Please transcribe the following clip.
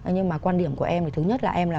nhưng mà quan điểm của em thì thứ nhất là em là